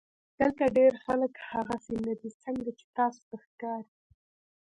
دلته ډېر خلک هغسې نۀ دي څنګه چې تاسو ته ښکاري